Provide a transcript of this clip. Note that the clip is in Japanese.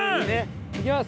いきます！